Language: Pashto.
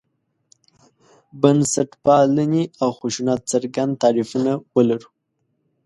بنسټپالنې او خشونت څرګند تعریفونه ولرو.